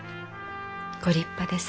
ご立派です。